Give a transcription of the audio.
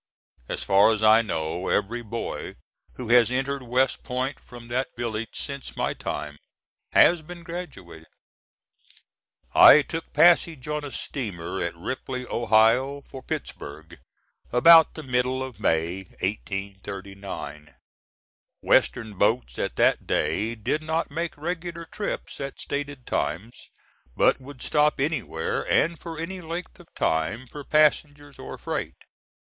As far as I know, every boy who has entered West Point from that village since my time has been graduated. I took passage on a steamer at Ripley, Ohio, for Pittsburg, about the middle of May, 1839. Western boats at that day did not make regular trips at stated times, but would stop anywhere, and for any length of time, for passengers or freight.